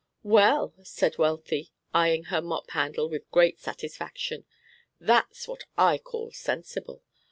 "Well!" said Wealthy, eying her mop handle with great satisfaction. "That's what I call sensible.